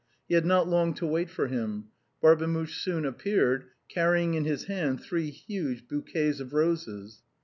He had not long to wait for him. Barbemuche soon appeared, carrying in his hand three huge bouquets of roses.